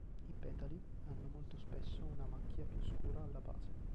I petali hanno, molto spesso, una macchia più scura alla base.